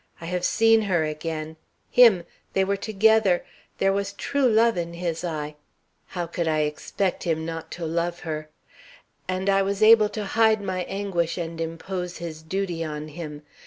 I have seen her again him they were together there was true love in his eye how could I expect him not to love her and I was able to hide my anguish and impose his duty on him.